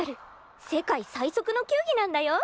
世界最速の球技なんだよ。